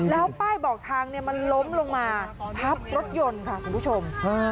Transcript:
แล้วป้ายบอกทางมันล้มลงมาทับรถยนต์ค่ะคุณผู้ชม